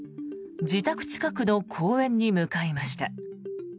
自宅近くの公園に向かいました。